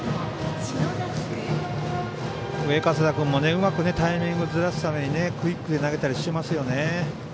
上加世田君もうまくタイミングをずらすためにクイックで投げたりしてますよね。